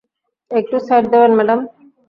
একটু সাইড দেবেন, ম্যাডাম।